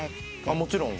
もちろん。